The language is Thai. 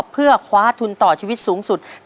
เพื่อคว้าทุนต่อชีวิตสูงสุด